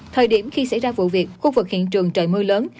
thời điểm khi xảy ra vụ việc khu vực hiện trường trời mưa lớn